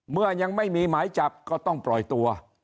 เมื่อยังไม่มีหมายจับก็ต้องปล่อยตัว